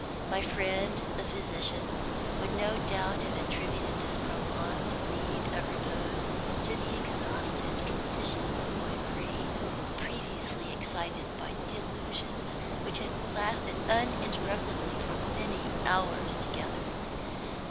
My friend, the physician, would no doubt have attributed this prolonged need of repose to the exhausted condition of my brain, previously excited by delusions which had lasted uninterruptedly for many hours together.